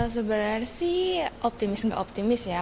sebenarnya sih optimis nggak optimis ya